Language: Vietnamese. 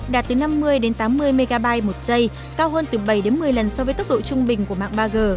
đạt từ năm mươi đến tám mươi mb một giây cao hơn từ bảy một mươi lần so với tốc độ trung bình của mạng ba g